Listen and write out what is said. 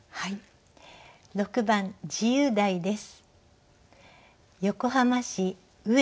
６番自由題です。